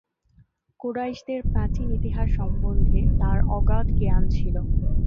কুরাইশদের প্রাচীন ইতিহাস সম্বন্ধে তার অগাধ জ্ঞান ছিল।